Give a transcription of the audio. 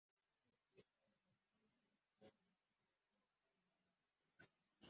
Umugore ahagarara iruhande runini